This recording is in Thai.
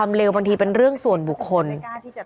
ก็เป็นสถานที่ตั้งมาเพลงกุศลศพให้กับน้องหยอดนะคะ